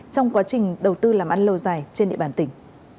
trong quá trình đầu tư làm ăn lâu dài trên địa bàn tỉnh